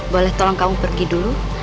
boleh tolong kamu pergi dulu